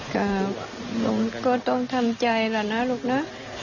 ก็ต้องทำใจละนะลูกน่ะ